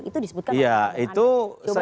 itu disebutkan oleh pak zulkifili hasan